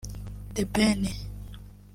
The Ben